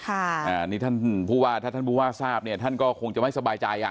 อันนี้ท่านผู้ว่าถ้าท่านผู้ว่าทราบเนี่ยท่านก็คงจะไม่สบายใจอ่ะ